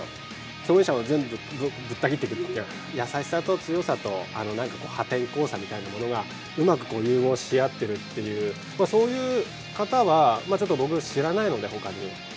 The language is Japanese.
共演者を全部ぶった切っていくような、優しさと強さと、なんか破天荒さみたいなものが、うまく融合し合ってるっていう、そういう方はちょっと僕、知らないので、ほかに。